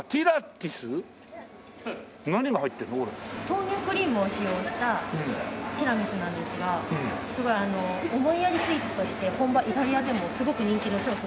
豆乳クリームを使用したティラミスなんですが思いやりスイーツとして本場イタリアでもすごく人気の商品です。